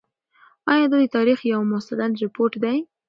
آیا دا د تاریخ یو مستند رپوټ دی؟